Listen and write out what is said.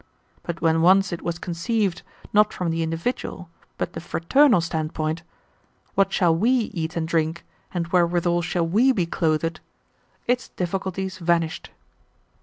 But when once it was conceived, not from the individual, but the fraternal standpoint, 'What shall we eat and drink, and wherewithal shall we be clothed?' its difficulties vanished.